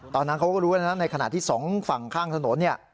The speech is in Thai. ตอนนั้นเขาก็รู้นะในขณะที่สองฝั่งข้างถนน